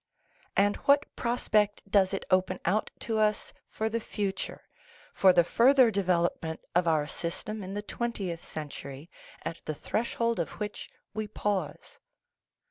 And what prospect does it open out to us for the future, for the further development of our system in the twen tieth century, at the threshold of which we pause?